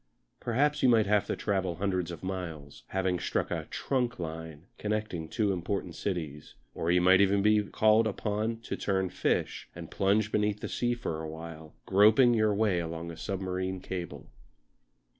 Perhaps you might have to travel hundreds of miles, having struck a "trunk" line connecting two important cities; or you might even be called upon to turn fish and plunge beneath the sea for a while, groping your way along a submarine cable.